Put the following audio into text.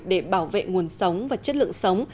để bảo vệ nguồn sống và chất lượng sống